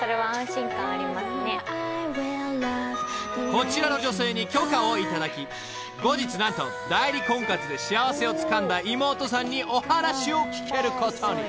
［こちらの女性に許可を頂き後日何と代理婚活で幸せをつかんだ妹さんにお話を聞けることに］